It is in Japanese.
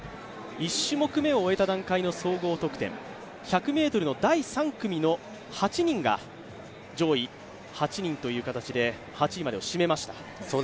１種目めを終えた段階の総合得点、１００ｍの第３組の８人が上位８人という形で８位までを占めました。